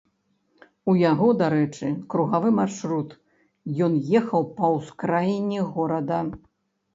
У яго, дарэчы, кругавы маршрут, ён ехаў па ўскраіне горада.